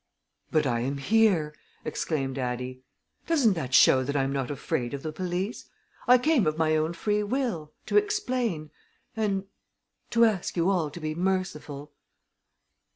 "But I am here!" exclaimed Addie. "Doesn't that show that I'm not afraid of the police. I came of my own free will to explain. And to ask you all to be merciful."